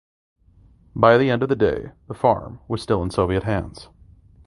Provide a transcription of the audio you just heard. By the end of the day the farm was still in Soviet hands.